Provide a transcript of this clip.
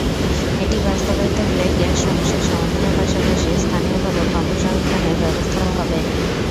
এটি বাস্তবায়িত হলে গ্যাস সমস্যার সমাধানের পাশাপাশি স্থানীয়ভাবে কর্মসংস্থানের ব্যবস্থাও হবে।